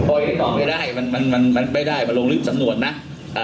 พอติดต่อไม่ได้มันมันมันไม่ได้มันลงลึกสำนวนนะอ่า